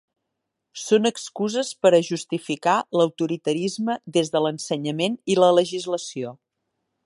Són excuses per a justificar l'autoritarisme des de l'ensenyament i la legislació.